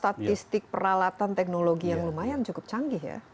statistik peralatan teknologi yang lumayan cukup canggih ya